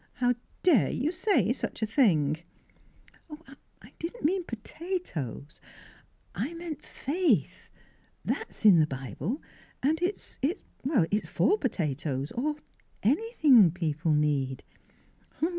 How dare you say such a thing? "" I didn't mean potatoes — I meant faith. That's in the Bible, and it's for '— for potatoes, or — anything people need."